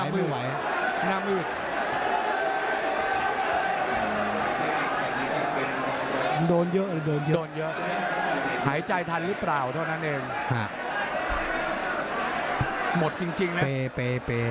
คือมันโดนเยอะหรือโดนเยอะ